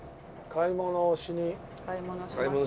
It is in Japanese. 買い物しましょう。